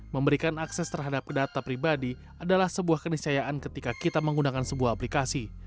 memberikan akses terhadap data pribadi adalah sebuah keniscayaan ketika kita menggunakan sebuah aplikasi